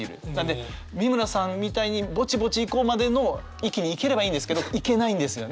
美村さんみたいに「ぼちぼち行こう」までの域に行ければいいんですけど行けないんですよね。